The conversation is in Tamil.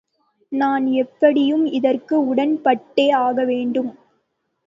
நான் எப்படியும் இதற்கு உடன்பட்டே ஆகவேண்டும்.